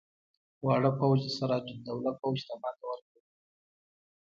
واړه پوځ سراج الدوله پوځ ته ماته ورکړه.